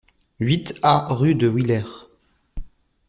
huit A rue de Willer